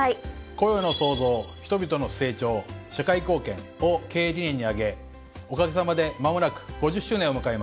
雇用の創造人々の成長社会貢献を経営理念に挙げおかげさまで間もなく５０周年を迎えます。